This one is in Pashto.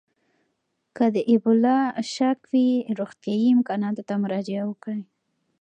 که د اېبولا شک وي، روغتیايي امکاناتو ته مراجعه وکړئ.